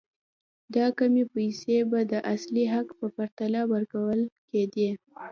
دا کمې پیسې به د اصلي حق په پرتله ورکول کېدې.